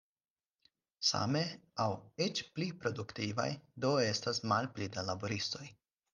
Same aŭ eĉ pli produktivaj do estas malpli da laboristoj.